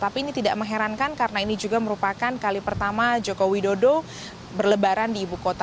tapi ini tidak mengherankan karena ini juga merupakan kali pertama jokowi dodo berlebaran di ibu kota